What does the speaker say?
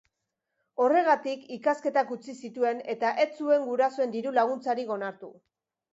Horregatik, ikasketak utzi zituen eta ez zuen gurasoen diru-laguntzarik onartu.